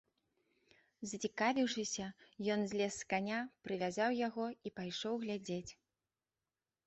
Зацікавіўшыся, ён злез з каня, прывязаў яго і пайшоў глядзець.